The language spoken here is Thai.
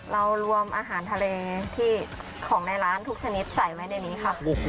รวมอาหารทะเลที่ของในร้านทุกชนิดใส่ไว้ในนี้ค่ะ